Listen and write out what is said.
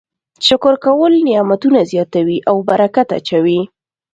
شکر کول نعمتونه زیاتوي او برکت اچوي.